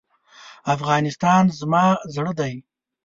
افغانستان زما زړه دی.